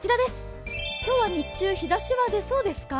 今日は日中、日ざしは出そうですか？